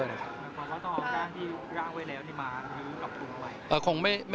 คุณค่ะต่อการที่ร่างไว้แล้วที่มาคือกับคุณทำไม